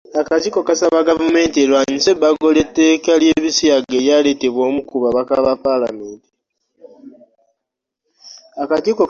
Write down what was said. Akakiiko kasaba Gavumenti erwanyise Ebbago ly’Etteeka ly’Ebisiyaga eryaleetebwa omu ku babaka ba paalamenti.